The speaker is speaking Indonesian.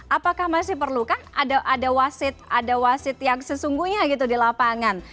apakah masih perlu kan ada wasit yang sesungguhnya gitu di lapangan